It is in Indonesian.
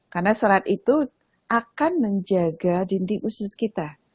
karena serat itu akan menjaga dinding usus kita